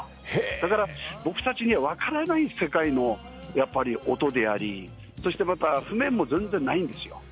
だから僕たちにはわからない世界のやっぱり音であり、そしてまた譜面も全然ないんですよ。